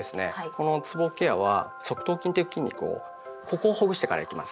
このつぼケアは側頭筋という筋肉をここをほぐしてからいきます。